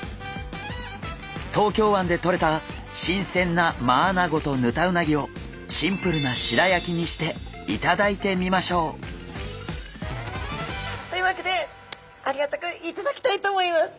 東京湾でとれたしんせんなマアナゴとヌタウナギをシンプルな白焼きにして頂いてみましょう！というわけでありがたく頂きたいと思います。